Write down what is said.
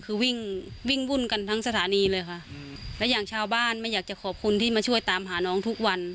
คือวิ่งวิ่งวุ่นกันทั้งสถานีเลยค่ะอืมและอย่างชาวบ้านไม่อยากจะขอบคุณที่มาช่วยตามหาน้องทุกวัน